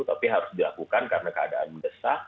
tapi harus dilakukan karena keadaan mendesak